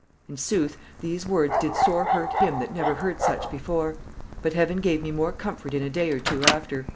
In sooth these words did sore hurt him that never heard such before; but Heaven gave me more comfort in a day or two after.